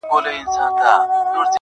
ډېر هوښیار وو ډېري ښې لوبي یې کړلې!!